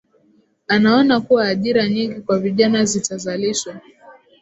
Anaona kuwa ajira nyingi kwa vijana zitazalishwa